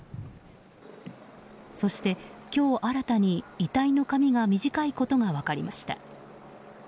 そして、今日新たに遺体の髪が短いことが分かりました。